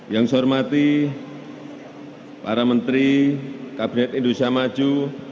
yang saya hormati para menteri kabinet indonesia maju